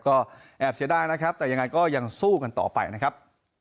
ก็แอบเสียดายนะครับแต่ยังไงก็ยังสู้กันต่อไปนะครับ